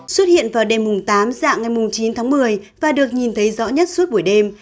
xuất hiện vào đêm tám dạng ngày chín tháng một mươi và được nhìn thấy rõ nhất suốt buổi đêm